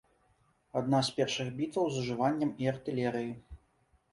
Адна з першых бітваў з ужываннем і артылерыі.